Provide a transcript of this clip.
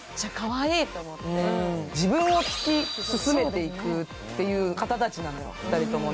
自分を突き詰めていくという方たちなのよ、２人とも。